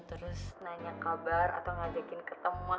terus nanya kabar atau ngajakin ketemu